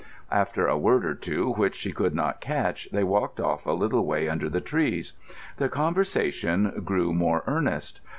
After a word or two which she could not catch, they walked off a little way under the trees. Their conversation grew more earnest.